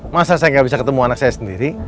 masa saya gak bisa ketemu anak saya sendiri